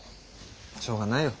しょうがないよ。